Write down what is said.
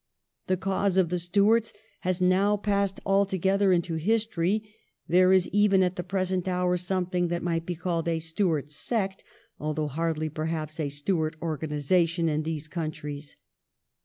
The cause of the Stuarts has now passed altogether into history. There is even at the present hour something that might be called a Stuart sect, although hardly perhaps a Stuart organization, in these countries.